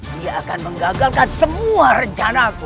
dia akan menggagalkan semua rencanaku